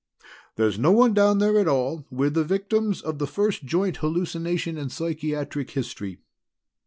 There's no one down there at all we're victims of the first joint hallucination in psychiatric history."